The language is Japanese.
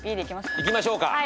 いきましょうか。